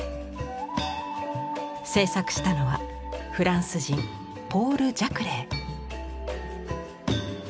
制作したのはフランス人ポール・ジャクレー。